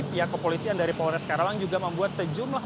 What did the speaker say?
pihak kepolisian dari polres karawang juga membuat sejumlah